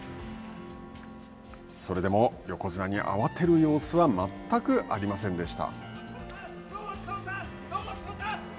それでも横綱に慌てる様子は全くありませんでした。